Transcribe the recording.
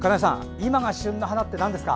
今が旬の花ってなんですか？